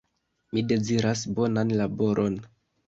Mi deziras bonan laboron